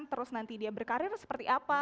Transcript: terus nanti dia berkarir seperti apa